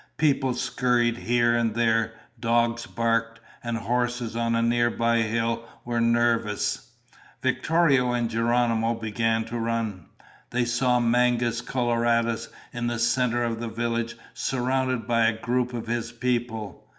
People scurried here and there, dogs barked, and horses on a nearby hill were nervous. Victorio and Geronimo began to run. They saw Mangus Coloradus in the center of the village surrounded by a group of his people.